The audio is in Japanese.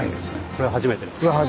これは初めてですか。